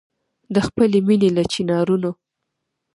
د خپلي مېني له چنارونو